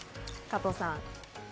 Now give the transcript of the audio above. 加藤さん。